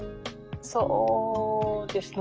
そうですね。